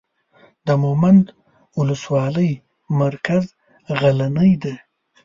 د مومند اولسوالۍ مرکز غلنۍ دی.